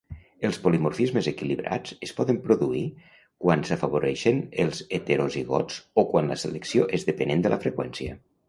Els polimorfismes equilibrats es poden produir quan s'afavoreixen els heterozigots o quan la selecció és dependent de la freqüència.